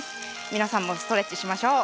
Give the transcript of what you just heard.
皆さんもストレッチしましょう。